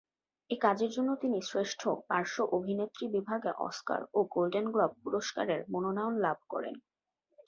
এই কাজের জন্য তিনি শ্রেষ্ঠ পার্শ্ব অভিনেত্রী বিভাগে অস্কার ও গোল্ডেন গ্লোব পুরস্কারের মনোনয়ন লাভ করেন।